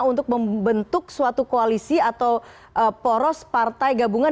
untuk membentuk suatu koalisi atau poros partai gabungan